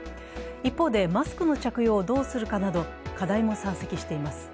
一方で、マスクの着用をどうするかなど課題も山積しています。